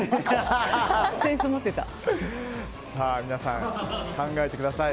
皆さん、考えてください。